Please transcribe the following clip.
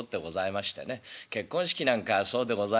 結婚式なんかそうでございます。